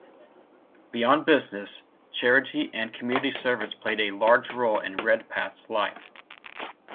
Beyond business, charity and community service played a large role in Redpath's life.